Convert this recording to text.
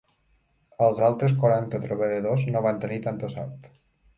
Els altres quaranta treballadors no van tenir tanta sort.